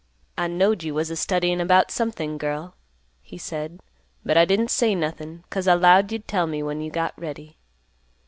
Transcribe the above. "I knowed you was a studyin' about something, girl," he said, "but I didn't say nothin', 'cause I 'lowed you'd tell me when you got ready."